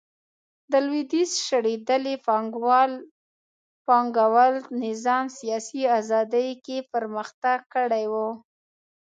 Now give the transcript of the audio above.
د لوېدیځ شړېدلي پانګوال نظام سیاسي ازادي کې پرمختګ کړی و